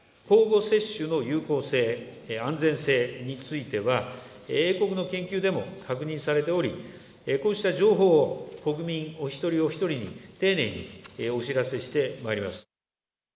交互接種の有効性、安全性については、英国の研究でも確認されており、こうした情報を国民お一人お一人に丁寧にお知らせしてまいります。